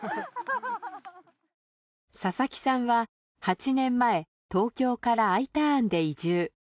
佐々木さんは８年前東京からＩターンで移住。